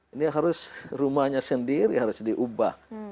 ini harus rumahnya sendiri harus diubah